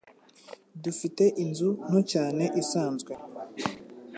Dufite inzu nto cyane isanzwe